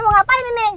nih mau ngapain ini